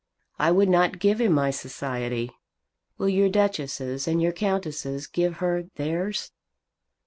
I would not give him my society. Will your Duchesses and your Countesses give her theirs?"